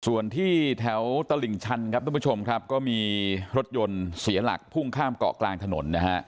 ส่วนที่แถวตลิ่งชันครับทุกผู้ชมครับก็มีรถยนต์เสียหลักพุ่งข้ามเกาะกลางถนนนะฮะ